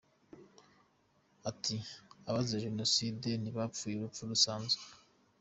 Ati: “Abazize Jenoside ntibapfuye urupfu rusanzwe.